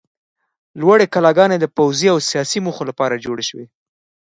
لوړې کلاګانې د پوځي او سیاسي موخو لپاره جوړې شوې.